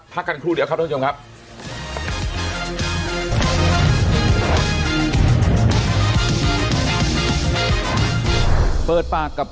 พักกันครูเดียวครับทุกชวนชมครับ